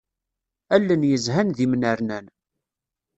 Allen yezhan d imnernan.